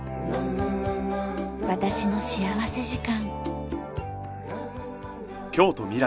『私の幸福時間』。